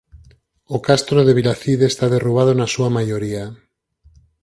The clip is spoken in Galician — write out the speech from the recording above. O castro de Vilacide está derrubado na súa maioría.